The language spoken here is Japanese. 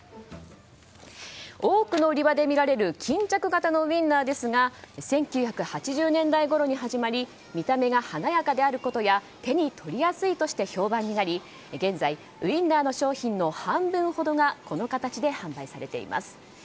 多くの売り場で見られる巾着型のウィンナーですが１９８０年代ごろに始まり見た目が華やかであることや手に取りやすいとして評判になり現在ウインナーの商品の半分ほどがこの形で販売されています。